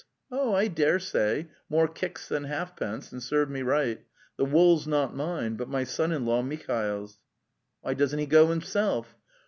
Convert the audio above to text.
"' '"Oh, I dare say! More kicks than halfpence, and serve me right. [he wool's not mine, but my son in law Mihail's! "'" Why doesn't he go himself?